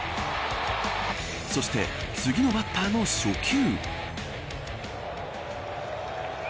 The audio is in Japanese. そして、次のバッターの初球。